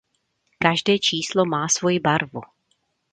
Každé číslo má svoji barvu.